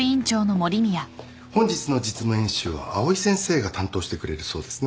本日の実務演習は藍井先生が担当してくれるそうですね。